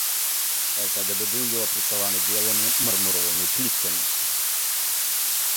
Фасады будынка апрацаваны белымі мармуровымі пліткамі.